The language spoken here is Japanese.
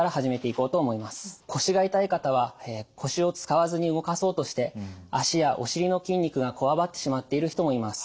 腰が痛い方は腰を使わずに動かそうとして脚やお尻の筋肉がこわばってしまっている人もいます。